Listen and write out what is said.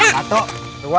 satu dua tiga